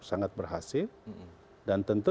sangat berhasil dan tentu